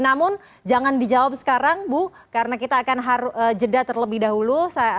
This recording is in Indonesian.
namun jangan dijawab sekarang bu karena kita akan jeda terlebih dahulu